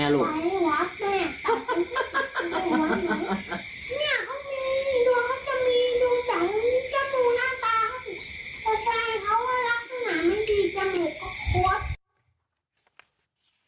จมูกก็โคตร